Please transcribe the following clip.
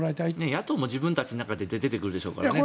野党も自分たちの中で出てくるでしょうからね。